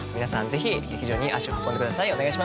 ぜひ劇場に足を運んでください。